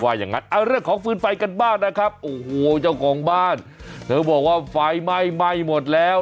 อย่างงั้นเอาเรื่องของฟืนไฟกันบ้างนะครับโอ้โหเจ้าของบ้านเธอบอกว่าไฟไหม้ไหม้หมดแล้ว